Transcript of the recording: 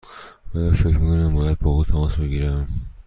آیا فکر می کنی من باید با او تماس بگیرم؟